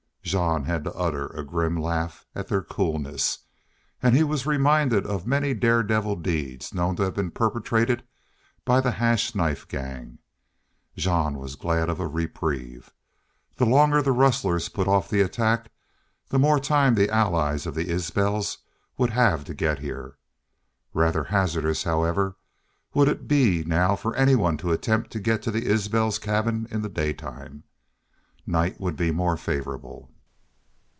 Jean had to utter a grim laugh at their coolness; and he was reminded of many dare devil deeds known to have been perpetrated by the Hash Knife Gang. Jean was glad of a reprieve. The longer the rustlers put off an attack the more time the allies of the Isbels would have to get here. Rather hazardous, however, would it be now for anyone to attempt to get to the Isbel cabins in the daytime. Night would be more favorable.